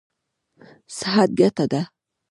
صحت ګټه ده.